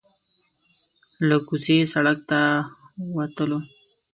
له کوڅې سړک ته وتلو.